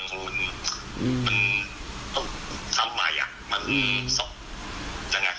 มันต้องทำใหม่อ่ะ